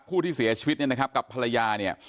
ผู้ที่เสียชีวิตเนี่ยนะครับกับภรรยาเนี่ย